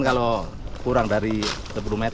kurang dari sepuluh meter